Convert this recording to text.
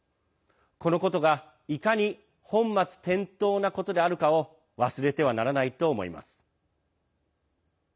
このことがいかに本末転倒なことであるかを忘れてはならないと思います。